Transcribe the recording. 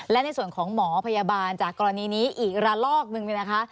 และในส่วนของหมอพยาบาลจากกรณีนี้อีกระลอกนึงเนี่ยนะคะ